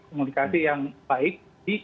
komunikasi yang baik